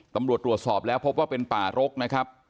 ตำรวจตรวจสอบแล้วพบว่าเป็นป่ารกนะครับ